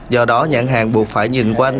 do đó nhãn hàng buộc phải nhìn quanh